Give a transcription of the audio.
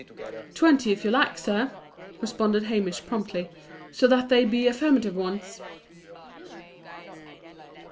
"Twenty, if you like, sir," responded Hamish, promptly, "so that they be affirmative ones."